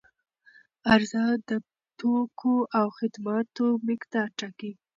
عرضه د توکو او خدماتو مقدار ټاکي.